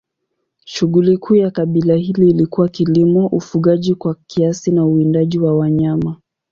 Shughuli kuu ya kabila hili ilikuwa kilimo, ufugaji kwa kiasi na uwindaji wa wanyama.